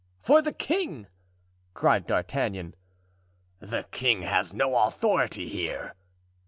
"For the king!" cried D'Artagnan. "The king has no authority here!"